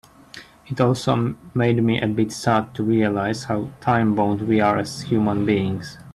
It also made me a bit sad to realize how time-bound we are as human beings.